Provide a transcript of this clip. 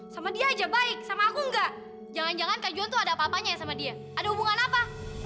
sama dia aja baik sama aku enggak jangan jangan kak john tuh ada apa apanya ya sama dia ada hubungan apa